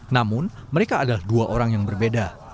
namun mereka adalah dua orang yang berbeda